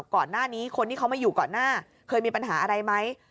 ก่อนหน้านี้คนที่เขามาอยู่ก่อนหน้าเคยมีปัญหาอะไรไหม